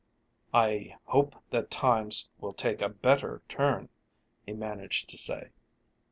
"I hope that times will take a better turn," he managed to say.